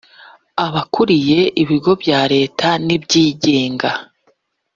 abakuriye ibigo bya Leta n’ibyigenga